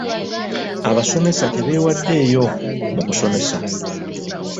Abasomesa tebeewaddeeyo mu kusomesa.